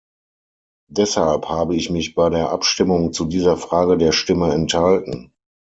Deshalb habe ich mich bei der Abstimmung zu dieser Frage der Stimme enthalten.